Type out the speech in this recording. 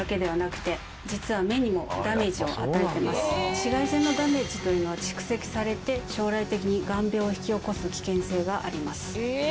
紫外線のダメージというのは蓄積されて将来的に眼病を引き起こす危険性があります。